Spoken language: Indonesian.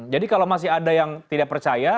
jadi kalau masih ada yang tidak percaya